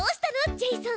ジェイソン。